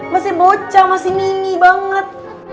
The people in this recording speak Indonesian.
masih bocah masih mini banget